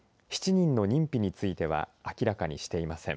７人の認否については明らかにしていません。